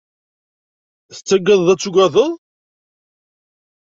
Tettagadeḍ ad tagadeḍ?